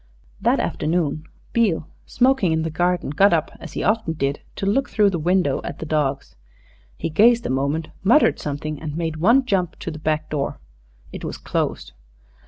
That afternoon Beale, smoking in the garden, got up, as he often did, to look through the window at the dogs. He gazed a moment, muttered something, and made one jump to the back door. It was closed.